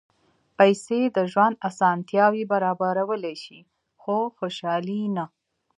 پېسې د ژوند اسانتیاوې برابرولی شي، خو خوشالي نه.